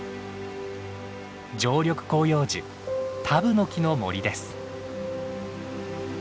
常緑広葉樹タブノキの森です。